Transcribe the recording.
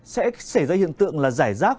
sẽ xảy ra hiện tượng là rải rác